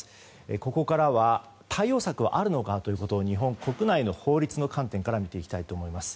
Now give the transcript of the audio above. ここからは対応策はあるのかということを日本国内の法律の観点から見ていきたいと思います。